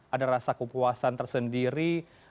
ada rasa kepuasan tersendiri